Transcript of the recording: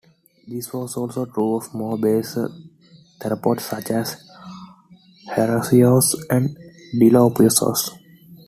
This was also true of more basal theropods, such as herrerasaurs and dilophosaurs.